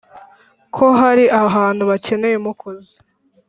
ko hari ahantu bakeneye umukozi.